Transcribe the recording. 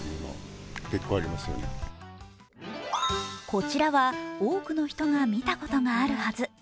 こちらは多くの人が見たことがあるはず。